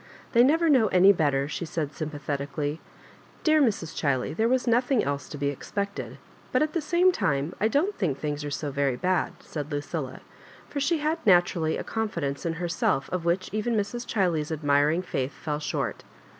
"They never know any better,^ she said, sympathetii cally, "Dear Mrs. Chiley, there was nothing else to be expected ; but, at the same time, I doD*t think things are so very bad," said Lucilla; for she had naturally a confidence in herself of which even MrSJ Ohiley*s admiring faith fell short.